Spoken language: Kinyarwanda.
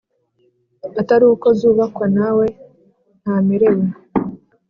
Atari uko zubakwa nawe ntamerewe